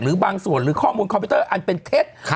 บางส่วนหรือข้อมูลคอมพิวเตอร์อันเป็นเท็จ